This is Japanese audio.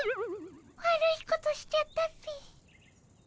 悪いことしちゃったっピ。